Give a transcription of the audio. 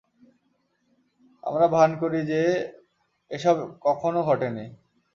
আমরা ভান করি যে, এ-সব কখনো ঘটে নি।